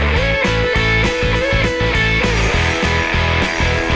มีคนมีโจ๊กเกอร์หมดค่ะ